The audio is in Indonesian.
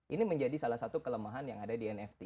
ini menjadi salah satu kelemahan yang ada di nft